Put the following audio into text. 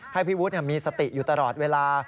ให้พี่วุฒิมีสติอยู่ตลอดเวลา